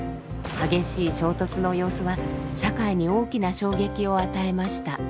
激しい衝突の様子は社会に大きな衝撃を与えました。